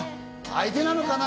相手なのかな？